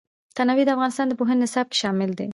تنوع د افغانستان د پوهنې نصاب کې شامل دي.